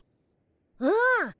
うん。